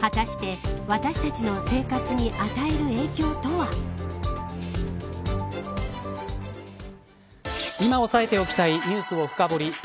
果たして、私たちの生活に今、押さえておきたいニュースを深掘り